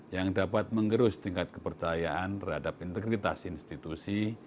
yang dapat mengerus tingkat kepercayaan terhadap integritas institusi